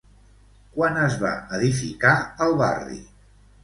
Quan es va edificar el barri?